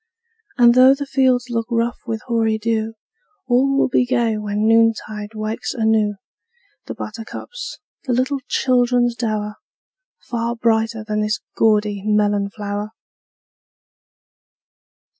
And though the fields look rough with hoary dew, All will be gay when noontide wakes anew The buttercups, the little children's dower Far brighter than this gaudy melon flower!